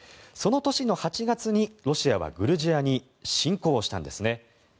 その年の８月にロシアはグルジアに侵攻したんですね。